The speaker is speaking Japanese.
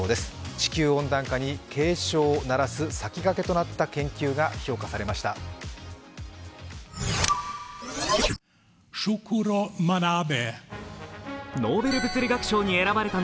地球温暖化に警鐘を鳴らす先駆けとなった研究が評価されました。